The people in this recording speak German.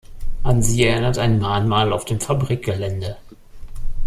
An sie erinnert ein Mahnmal auf dem Fabrikgelände.